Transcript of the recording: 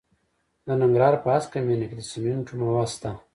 د ننګرهار په هسکه مینه کې د سمنټو مواد شته.